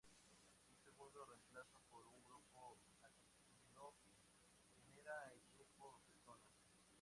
Un segundo reemplazo por un grupo alquilo genera el grupo cetona.